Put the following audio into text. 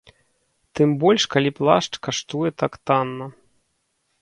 Тым больш калі плашч каштуе так танна.